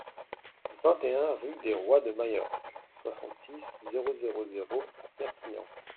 vingt et un rue des Rois de Majorque, soixante-six, zéro zéro zéro à Perpignan